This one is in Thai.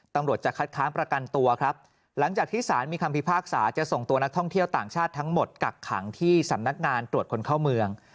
ตำรวจจะคัดค้างประกันตัวครับหลังจากที่สารมีคำพิพากษาจะส่งตัวนักท่องเที่ยวต่างชาติทั้งหมดกักขังที่สำนักงานตรวจคนเข้าเมือง